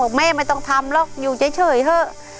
แม่ไม่ต้องทำหรอกอยู่เฉยเถอะ